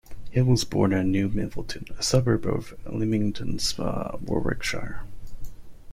Hill was born in New Milverton, a suburb of Leamington Spa, Warwickshire.